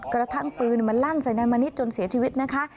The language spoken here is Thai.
กระทั่งปืนมันลั่นใส่นายมณิชยจนเสียชีวิตนะคะ